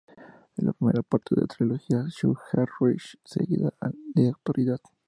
Es la primera parte de la trilogía "Southern Reach", seguida de "Autoridad".